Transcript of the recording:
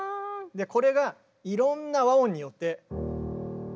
でこれがいろんな和音によって。